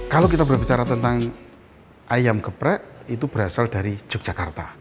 kalau kita berbicara tentang ayam geprek itu berasal dari yogyakarta